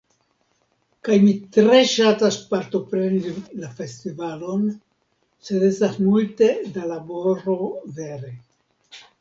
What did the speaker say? Kaj mi tre ŝatas partopreni la festivalon sed estas multe da laboro vere.